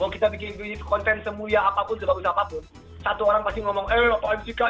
kalau kita bikin video content semulia apapun sebagus apapun satu orang pasti ngomong eh apaan sih kak